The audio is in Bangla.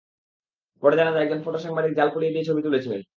পরে জানা যায়, একজন ফটো সাংবাদিক জাল পরিয়ে দিয়ে ছবি তুলেছিলেন।